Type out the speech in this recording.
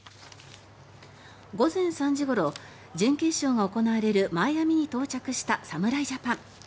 午前３時ごろ、準決勝が行われるマイアミに到着した侍ジャパン。